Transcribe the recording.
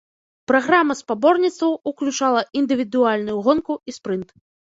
Праграма спаборніцтваў ўключала індывідуальную гонку і спрынт.